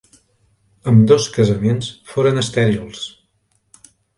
Ambdós casaments foren estèrils.